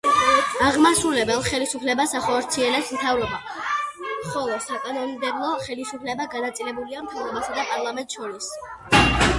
აღმასრულებელ ხელისუფლებას ახორციელებს მთავრობა, ხოლო საკანონმდებლო ხელისუფლება განაწილებულია მთავრობასა და პარლამენტს შორის.